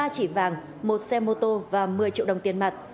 ba chỉ vàng một xe mô tô và một mươi triệu đồng tiền mặt